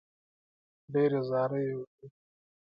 ډېرې زارۍ یې وکړې.